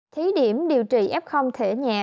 thí điểm điều trị f thể nhẹ